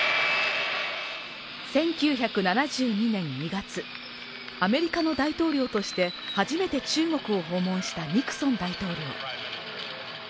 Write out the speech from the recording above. １９７２年２月、アメリカの大統領として初めて中国を訪問したニクソン大統領。